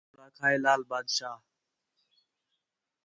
سوڑ آکھا ہِے لال بادشاہ